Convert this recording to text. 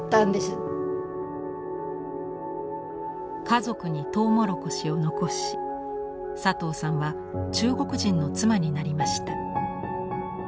家族にトウモロコシを残し佐藤さんは中国人の妻になりました。